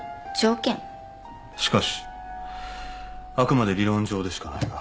しかしあくまで理論上でしかないが。